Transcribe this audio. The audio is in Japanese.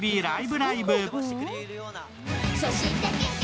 ライブ！」。